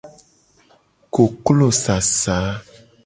Koklosasa.